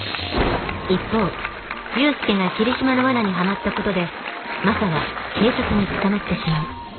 一方勇介が桐島の罠にはまったことでマサは警察に捕まってしまう。